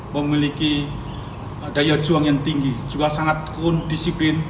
memiliki daya juang yang tinggi juga sangat kondisiplin